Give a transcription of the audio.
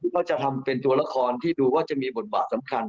ก็จะทำเป็นตัวละครที่ดูว่าจะมีบทบาทสำคัญ